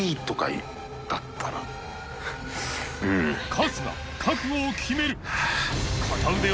秉嫺覚悟を決める